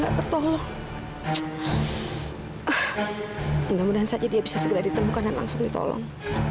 tertolong mudah mudahan saja dia bisa segera ditemukan dan langsung ditolong